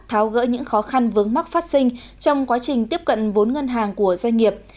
tháo gỡ những khó khăn vướng mắc phát sinh trong quá trình tiếp cận vốn ngân hàng của doanh nghiệp